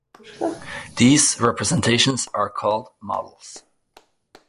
These representations are called models.